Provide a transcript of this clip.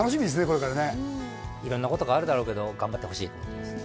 これからね色んなことがあるだろうけど頑張ってほしいと思います